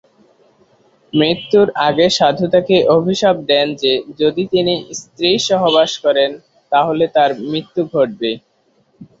মৃত্যুর আগে সাধু তাকে অভিশাপ দেন যে যদি তিনি স্ত্রী সহবাস করেন তাহলে তার মৃত্যু ঘটবে।